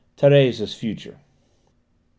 THÉRÈSE'S FUTURE M.